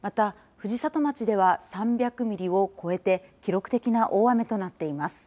藤里町では３００ミリを超えて記録的な大雨となっています。